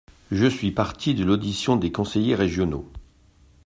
Je suis parti de l’audition des conseillers régionaux.